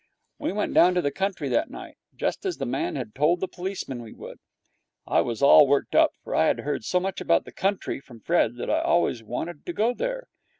We went down to the country that night, just as the man had told the policeman we would. I was all worked up, for I had heard so much about the country from Fred that I had always wanted to go there.